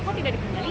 kok tidak dibayarkan